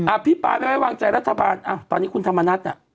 ภิปรายไม่ไว้วางใจรัฐบาลอ่ะตอนนี้คุณธรรมนัฐน่ะ